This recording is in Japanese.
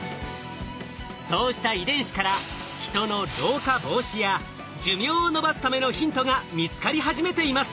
そうした遺伝子からヒトの老化防止や寿命を延ばすためのヒントが見つかり始めています。